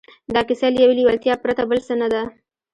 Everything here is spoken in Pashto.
دا کیسه له یوې لېوالتیا پرته بل څه نه ده